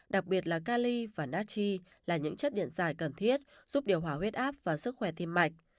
đặc biệt là cali và natchi là những chất điện giải cần thiết giúp điều hòa huyết áp và sức khỏe tim mạch